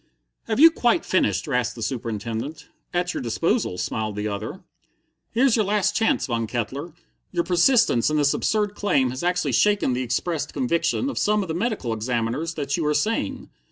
"Have you quite finished?" rasped the Superintendent. "At your disposal," smiled the other. "Here's your last chance, Von Kettler. Your persistence in this absurd claim has actually shaken the expressed conviction of some of the medical examiners that you are sane.